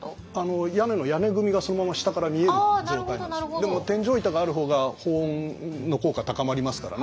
でも天井板がある方が保温の効果は高まりますからね。